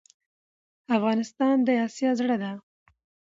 افغانستان دي اسيا زړه ده